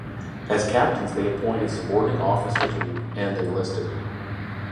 As captains they appointed subordinate officers and enlisted men.